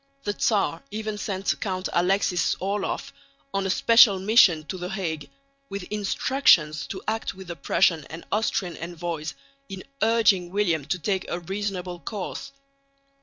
The Tsar even sent Count Alexis Orloff on a special mission to the Hague, with instructions to act with the Prussian and Austrian envoys in urging William to take a reasonable course.